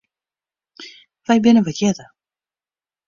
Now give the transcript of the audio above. Wy binne wat earder.